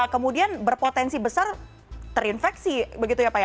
kemudian berpotensi besar terinfeksi begitu ya pak ya